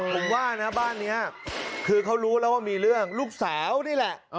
ผมว่านะบ้านนี้คือเขารู้แล้วว่ามีเรื่องลูกสาวนี่แหละ